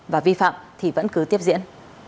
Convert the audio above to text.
và vi phạm thì vẫn cứ tiếp diễn